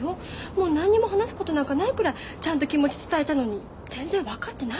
もう何にも話すことなんかないくらいちゃんと気持ち伝えたのに全然分かってないのよね。